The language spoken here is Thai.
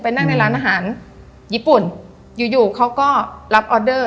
นั่งในร้านอาหารญี่ปุ่นอยู่อยู่เขาก็รับออเดอร์